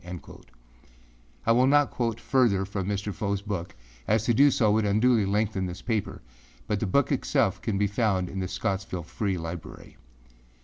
â I will not quote further from Mr. Fowâs book, as to do so would unduly lengthen this paper, but the book itself can be found in the Scottsville Free Library.